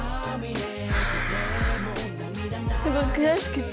すごいくやしくて。